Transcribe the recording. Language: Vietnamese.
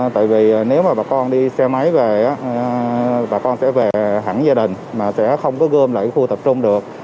tại vì nếu mà bà con đi xe máy về bà con sẽ về hẳn gia đình mà sẽ không có gơm lại khu tập trung được